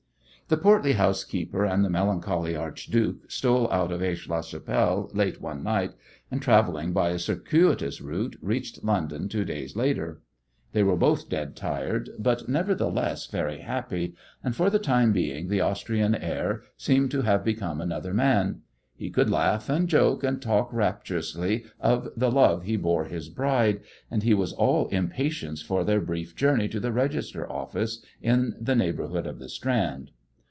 The portly housekeeper and the melancholy archduke stole out of Aix la Chapelle late one night, and, travelling by a circuitous route, reached London two days later. They were both dead tired, but nevertheless very happy, and for the time being the Austrian heir seemed to have become another man. He could laugh and joke and talk rapturously of the love he bore his bride, and he was all impatience for their brief journey to the register office in the neighbourhood of the Strand.